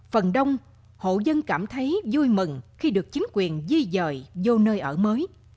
phần đông hộ dân cảm thấy vui mừng khi được chính quyền di dời vô nơi ở mới